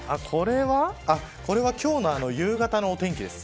これは今日の夕方のお天気です。